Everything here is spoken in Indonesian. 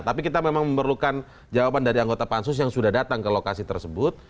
tapi kita memang memerlukan jawaban dari anggota pansus yang sudah datang ke lokasi tersebut